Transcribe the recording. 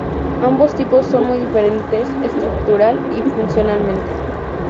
Ambos tipos son muy diferentes estructural y funcionalmente.